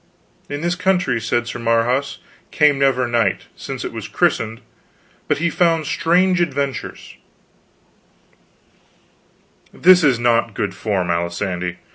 In this country, said Sir Marhaus, came never knight since it was christened, but he found strange adventures " "This is not good form, Alisande.